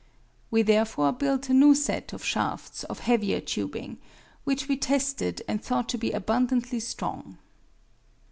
We therefore built a new set of shafts of heavier tubing, which we tested and thought to be abundantly strong.